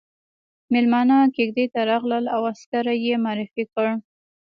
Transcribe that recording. ميلمانه کېږدۍ ته راغلل او عسکره يې معرفي کړه.